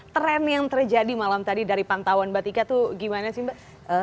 tren yang terjadi malam tadi dari pantauan mbak tika tuh gimana sih mbak